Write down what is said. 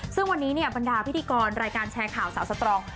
ซึ่งวันนี้บรรดาพิธีกรรายการแชร์ข่าวสาวสตรอง